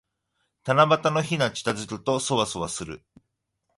七夕の日が近づくと、そわそわする。